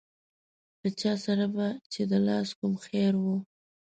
له چا سره به چې د لاس کوم خیر و.